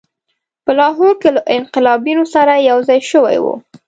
په لاهور کې له انقلابیونو سره یوځای شوی وو.